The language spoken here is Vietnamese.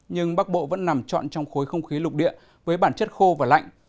nhưng bắc bộ vẫn nằm trọn trong khối không khí lục địa với bản chất khô và lạnh